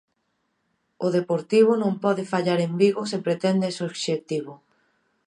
O Deportivo non pode fallar en Vigo se pretende ese obxectivo.